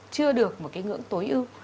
chưa được một cái ngưỡng tối ưu